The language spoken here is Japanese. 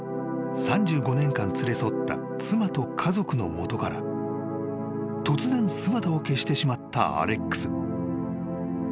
［３５年間連れ添った妻と家族の元から突然姿を消してしまったアレックス］